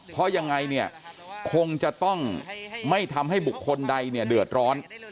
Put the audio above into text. เพราะยังไงเนี่ยคงจะต้องไม่ทำให้บุคคลใดเนี่ยเดือดร้อน